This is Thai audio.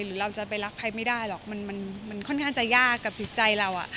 หรือเราจะไปรักใครไม่ได้หรอกมันค่อนข้างจะยากกับจิตใจเรา